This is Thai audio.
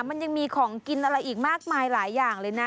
มันยังมีของกินอะไรอีกมากมายหลายอย่างเลยนะ